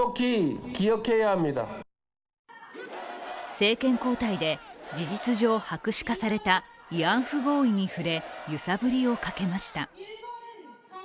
政権交代で事実上、白紙化された慰安婦合意に触れ、揺さぶりをかけました。